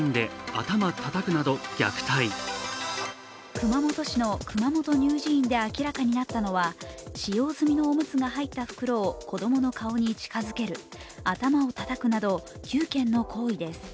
熊本市の熊本乳児院で明らかになったのは使用済みのおむつが入った袋を子供の顔に近づける、頭をたたくなど、９件の行為です。